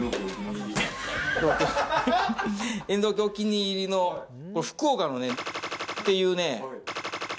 遠藤家お気に入りの、福岡のね、っていうね。